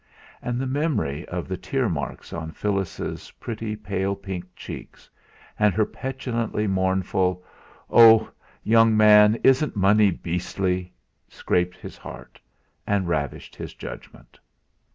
And the memory of the tear marks on Phyllis's pretty pale pink cheeks; and her petulantly mournful: "Oh! young man, isn't money beastly!" scraped his heart, and ravished his judgment.